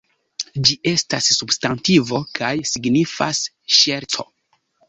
Ĝi estas substantivo kaj signifas ŝerco.